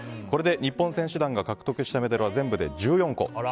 これで日本選手団が獲得したメダルは全部で１４個。